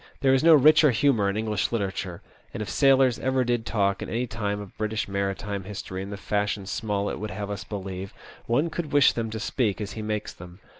There is no richer humour in English literature, and if sailors ever did talk in any time of British maritime history in the fashion Smollett would have us believe, one would wish them to speak as he makes them.